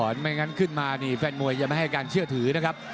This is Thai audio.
ไม่งั้นขึ้นมานี่แฟนมวยยังไม่ให้การเชื่อถือนะครับ